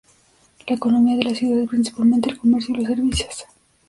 La economía de la ciudad es principalmente el comercio y los servicios.